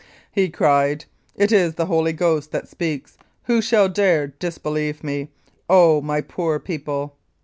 He cried :* It is the Holy Ghost that speaks, who shall dare disbelieve me? ... Oh ! my poor people